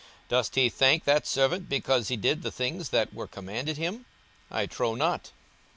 42:017:009 Doth he thank that servant because he did the things that were commanded him? I trow not.